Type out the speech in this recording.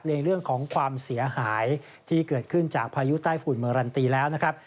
ในเรื่องของความเสียหายที่เกิดขึ้นจากพายุใต้ฝุ่นเมอรันตีแล้วนะครับ